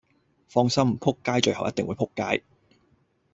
放心！仆街最後一定會仆街